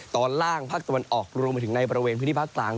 ตอนล่างภาคตะวันออกรวมไปถึงในบริเวณพื้นที่ภาคกลาง